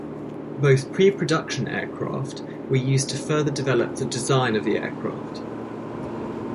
Both pre-production aircraft were used to further develop the design of the aircraft.